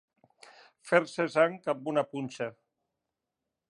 Fer-se sang amb una punxa.